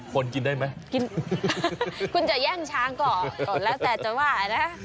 คนกินได้ไหมกินคุณจะแย่งช้างก่อนแล้วแต่จะว่านะ